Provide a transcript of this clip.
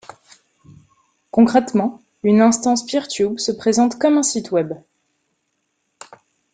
Concrètement, une instance PeerTube se présente comme un site web.